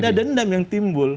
ada dendam yang timbul